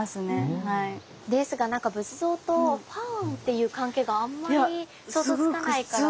ですが何か仏像とファンっていう関係があんまり想像つかないから。